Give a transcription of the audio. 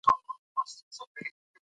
تاسو شتون د یوه زړور، زړه سواند